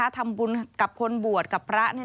ทำบุญกับคนบวชกับพระ